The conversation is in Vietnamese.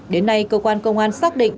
đến nay cơ quan công an xác định